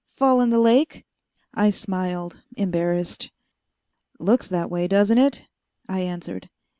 Fall in the lake?" I smiled, embarrassed. "Looks that way, doesn't it?" I answered.